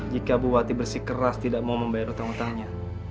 jika bu wati bersih keras tidak mau membayar hutang hutangnya